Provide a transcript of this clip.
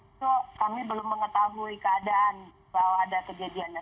itu kami belum mengetahui keadaan bahwa ada kejadiannya